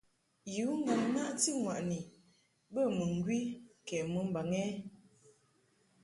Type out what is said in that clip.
Yu ŋgàŋ-naʼti-ŋwàʼni bə mɨŋgwi kɛ mɨmbaŋ ɛ ?